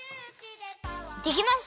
できました！